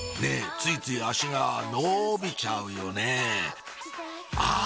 ついつい足が延びちゃうよねあっ！